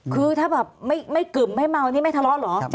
คือถ้าแบบไม่กึ่มไม่เมานี่ไม่ทะเลาะเหรอ